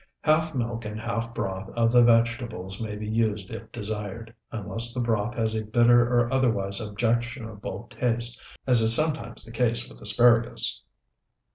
Half milk and half broth of the vegetables may be used if desired, unless the broth has a bitter or otherwise objectionable taste, as is sometimes the case with asparagus.